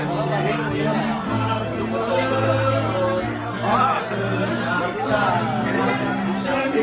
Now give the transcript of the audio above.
มันยังคิดถึงเธอ